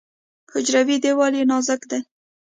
حجروي دیوال یې نازک دی.